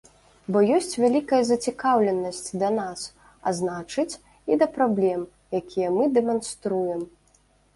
Бо ёсць вялікая зацікаўленасць да нас, а значыць, і да праблем, якія мы дэманструем.